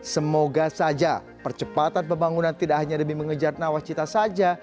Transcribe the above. semoga saja percepatan pembangunan tidak hanya demi mengejar nawacita saja